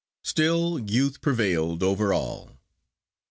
Still youth prevailed over all.